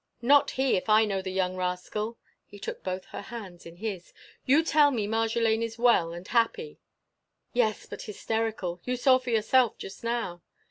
"Not he, if I know the young rascal!" He took both her hands in his. "You tell me Marjolaine is well and happy?" "Yes; but hysterical. You saw for yourself, just now."